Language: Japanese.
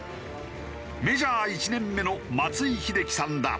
メジャー１年目の松井秀喜さんだ。